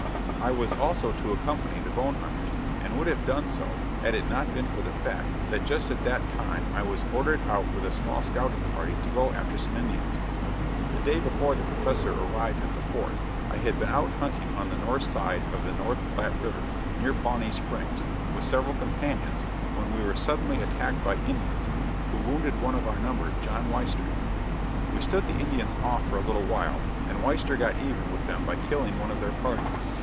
I was also to accompany the bone hunters, and would have done so had it not been for the fact that just at that time I was ordered out with a small scouting party to go after some Indians. [Illustration: A RIDE FOR LIFE.] The day before the Professor arrived at the fort, I had been out hunting on the north side of the North Platte River, near Pawnee Springs, with several companions, when we were suddenly attacked by Indians, who wounded one of our number, John Weister. We stood the Indians off for a little while, and Weister got even with them by killing one of their party.